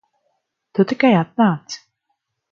Tu tikai atnāc.